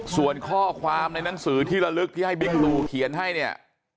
ส่วนข้อความในหนังสือที่ระลึกที่ให้บิ๊กลูเขียนให้เนี่ย